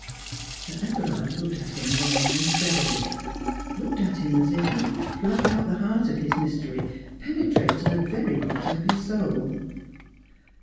Sir Everard looked at him long and steadily, looked at him as if he would pluck out the heart of his mystery, penetrate to the very bottom of his soul.